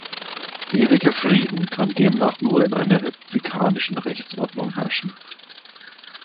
Ewiger Frieden kann demnach nur in einer republikanischen Rechtsordnung herrschen.